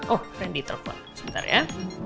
oh fandy telepon sebentar ya